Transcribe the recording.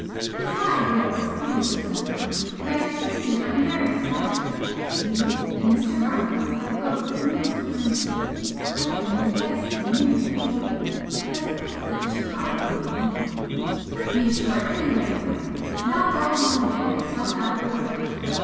It is I who have displeased you somehow, and I assure you I'm very sorry! You and Mr. Harland have both been most kind to me I've been your guest for nearly a fortnight, that's quite sufficient holiday for me put me ashore anywhere you like and I'll go home and get myself out of your way.